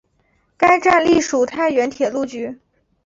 该站隶属太原铁路局。